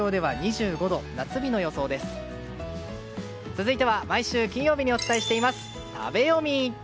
続いては毎週金曜日にお伝えしています、食べヨミ。